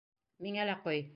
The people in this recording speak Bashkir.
Миңә лә ҡой!